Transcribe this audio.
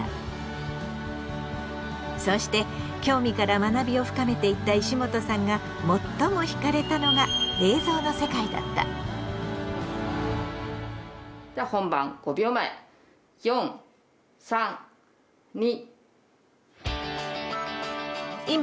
そうして興味から学びを深めていった石本さんが最もひかれたのがじゃあ本番５秒前４３２。